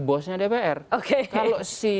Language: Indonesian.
bosnya dpr oke kalau si